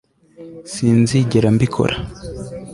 Sinzigera mbikora